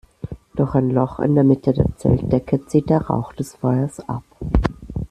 Durch ein Loch in der Mitte der Zeltdecke zieht der Rauch des Feuers ab.